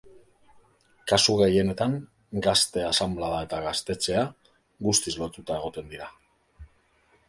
Kasu gehienetan, Gazte asanblada eta Gaztetxea guztiz lotuta egoten dira.